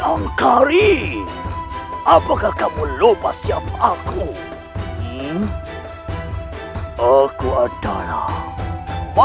aku bapakenedil mohon kabur whatsapp